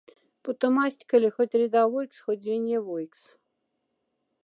Путомасть, кле, хоть рядовойкс, хоть звеньевойкс.